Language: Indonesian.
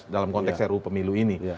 dalam konteks ruu pemilu ini